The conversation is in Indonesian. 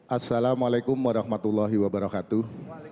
assalamualaikum warahmatullahi wabarakatuh